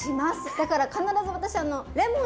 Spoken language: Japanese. だから必ず私レモン搾ります。